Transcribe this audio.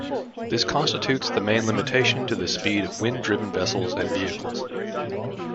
This constitutes the main limitation to the speed of wind-driven vessels and vehicles.